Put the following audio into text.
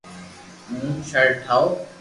ھون ݾرٽ ٺاو